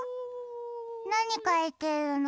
なにかいてるの？